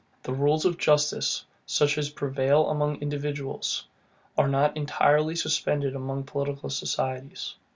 The rules of justice, such as prevail among individuals, are not entirely suspended among political societies.